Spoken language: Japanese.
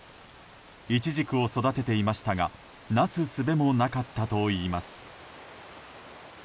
イチジクを育てていましたがなすすべもなかったといいます。